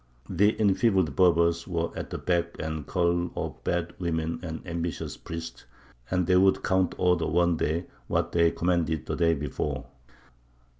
The enfeebled Berbers were at the beck and call of bad women and ambitious priests, and they would counterorder one day what they had commanded the day before.